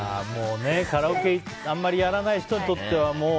カラオケ、あんまりやらない人にとってはもう。